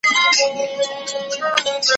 زه پرون کتاب وليکم!.